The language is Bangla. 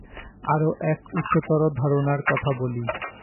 আরও এক উচ্চতর ধারণার কথা বলি।